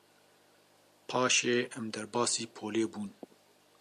Paşê em derbasî polê bûn.